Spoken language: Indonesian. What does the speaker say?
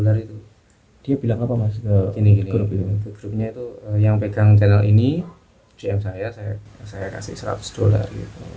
hai dia bilang apa mas ke ini grupnya itu yang pegang channel ini jam saya saya kasih seratus dollar